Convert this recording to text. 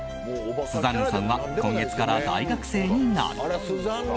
スザンヌさんは今月から大学生になる。